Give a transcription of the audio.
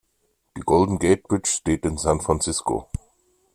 Die Golden Gate Bridge steht in San Francisco.